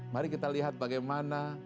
mari kita lihat bagaimana